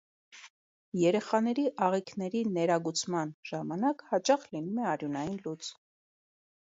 Երեխաների աղիքների ներագուցման ժամանակ հաճախ լինում է արյունային լուծ։